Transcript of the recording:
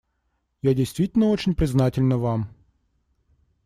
Я действительно очень признательна вам.